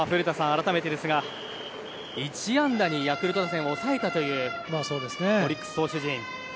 改めてですが１安打にヤクルト打線を抑えたというオリックス投手陣。